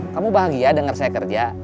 kamu bahagia dengar saya kerja